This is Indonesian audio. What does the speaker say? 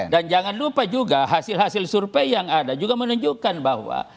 dan jangan lupa juga hasil hasil survei yang ada juga menunjukkan bahwa